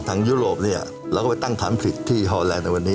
ยุโรปเนี่ยเราก็ไปตั้งฐานผลิตที่ฮอลแลนดในวันนี้